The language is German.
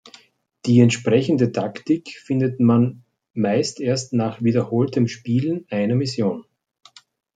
Die entsprechende Taktik findet man meist erst nach wiederholtem Spielen einer Mission.